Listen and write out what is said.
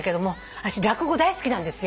私落語大好きなんですよ。